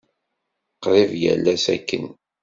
Qrib yal ass akken.